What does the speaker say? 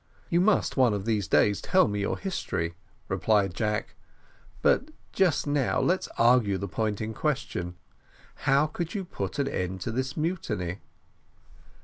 "You must one of these days tell me your history, Mesty," replied Jack; "but just now let us argue the point in question. How could you put an end to this mutiny?"